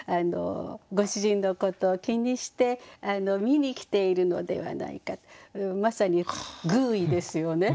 ご主人のことを気にして見に来ているのではないかまさに寓意ですよね。